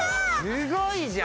すごいじゃん！